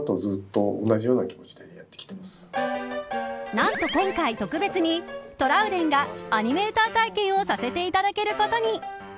何と今回特別にトラウデンがアニメーター体験をさせていただけることに。